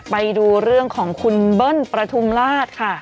ไปดูเรื่องของคุณเบิ้ลประทุมราชค่ะ